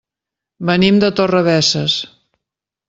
Venim de Torrebesses.